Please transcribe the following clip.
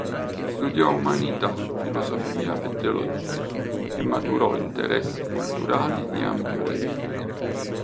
Studiò umanità, filosofia e teologia, e maturò interessi culturali di ampio respiro.